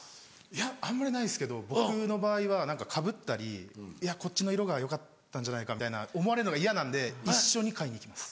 いやあんまりないですけど僕の場合は何かかぶったりいやこっちの色がよかったんじゃないかみたいな思われるのが嫌なんで一緒に買いに行きます。